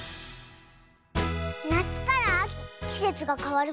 なつからあききせつがかわる